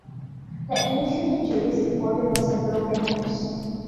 The initial injuries reported was a broken nose.